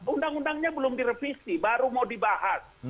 undang undangnya belum direvisi baru mau dibahas